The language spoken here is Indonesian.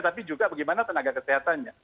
tapi juga bagaimana tenaga kesehatannya